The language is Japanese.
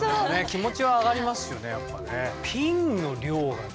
気持ちは上がりますよねやっぱね。